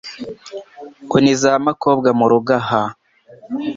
ngo ni zamakobwa murugo aha